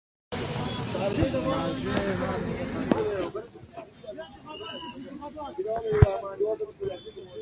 روکا وویل: چې څنګه ستا خوښه ده، البته دا هرڅه د پادري لپاره وایم.